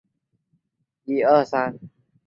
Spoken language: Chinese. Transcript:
金圣叹最大贡献在于文学批评。